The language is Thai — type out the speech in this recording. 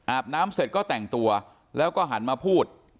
น้ำเสร็จก็แต่งตัวแล้วก็หันมาพูด